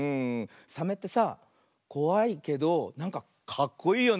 サメってさこわいけどなんかかっこいいよね。